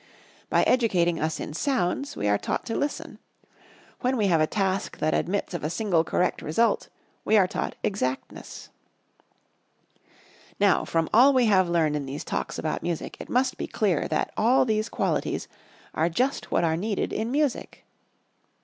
By educating us in sounds, we are taught to Listen. When we have a task that admits of a single correct result, we are taught Exactness. Now, from all we have learned in these Talks about music it must be clear that all these qualities are just what are needed in music: I.